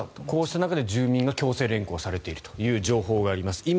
こうした中で住民が強制連行されているという情報があります。